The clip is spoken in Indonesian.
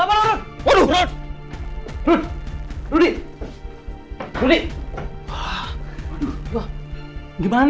messenger game ini buat apa